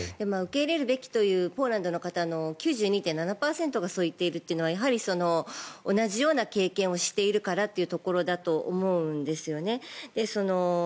受け入れるべきというポーランドの方の９２．７％がそう言っているというのはやはり同じような経験をしているからだというところだと思うんです。